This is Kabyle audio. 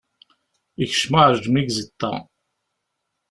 Ikcem uɛejmi deg uzeṭṭa.